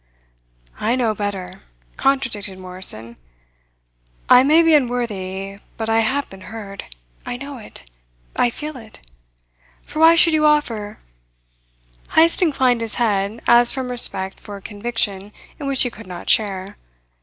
"I know better," contradicted Morrison. "I may be unworthy, but I have been heard. I know it. I feel it. For why should you offer " Heyst inclined his head, as from respect for a conviction in which he could not share.